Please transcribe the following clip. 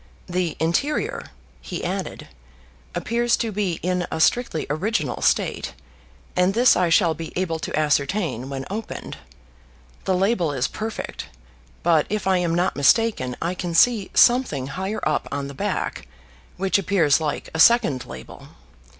"The interior," he added, "appears to be in a strictly original state, and this I shall be able to ascertain when opened. The label is perfect, but if I am not mistaken I can see something higher up on the back which appears like a second label.